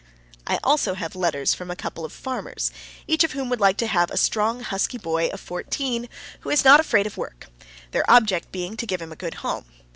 I also have letters from a couple of farmers, each of whom would like to have a strong, husky boy of fourteen who is not afraid of work, their object being to give him a good home.